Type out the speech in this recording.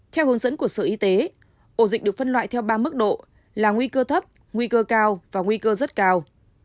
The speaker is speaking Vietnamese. theo hướng dẫn của sở y tế ổ dịch được phân loại theo ba mức độ là nguy cơ thấp nguy cơ cao và nguy cơ rất cao